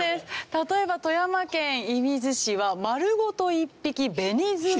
例えば富山県射水市は丸ごと１匹ベニズワイガニ給食。